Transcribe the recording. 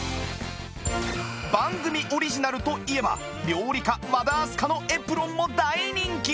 番組オリジナルといえば料理家和田明日香のエプロンも大人気！